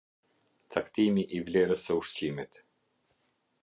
Caktimi i vlerës së ushqimit.